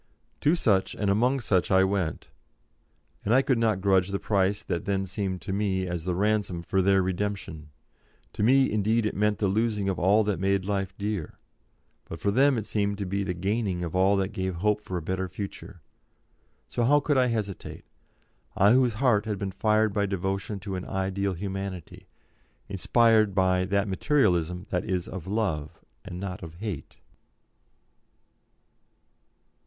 To such, and among such I went, and I could not grudge the price that then seemed to me as the ransom for their redemption. To me, indeed, it meant the losing of all that made life dear, but for them it seemed to be the gaining of all that gave hope of a better future. So how could I hesitate I whose heart had been fired by devotion to an ideal Humanity, inspired by that Materialism that is of love and not of hate?